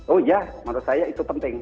oh ya menurut saya itu penting